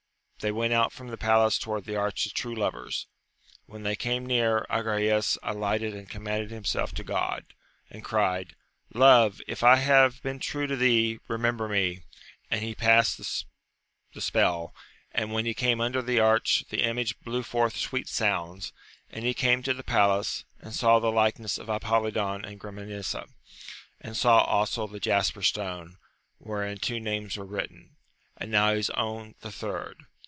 They went out from the palace towards the Arch of True Lovers. When they came near, Agrayes alighted and commended himself to Grod, and cried. Love, if I have been true to thee, remember me ! and he past the spell ; and, when he came under the arch, the image blew forth sweet sounds, and he came to the palace, and saw the likeness of Apolidon and Grimanesa, and saw also the jasper stone, wherein two names were written, and now his own the third.